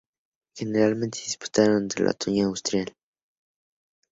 Generalmente es disputada durante el otoño austral.